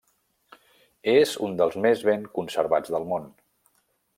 És un dels més ben conservats del món.